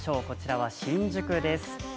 こちらは新宿です。